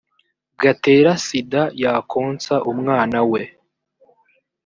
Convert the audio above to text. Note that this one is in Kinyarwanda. gatera sida yakonsa umwana we